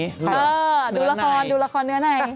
หรือเหนือไหนคุณปรีดูละครดูละครเหนือไหน